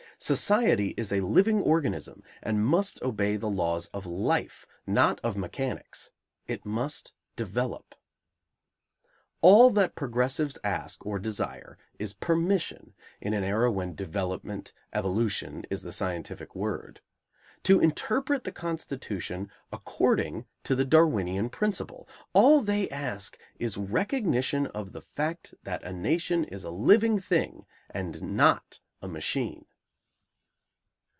Society is a living organism and must obey the laws of life, not of mechanics; it must develop. All that progressives ask or desire is permission in an era when "development," "evolution," is the scientific word to interpret the Constitution according to the Darwinian principle; all they ask is recognition of the fact that a nation is a living thing and not a machine.